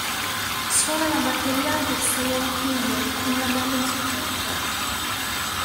Suona la batteria per Cheyenne Kimball nella band di supporto.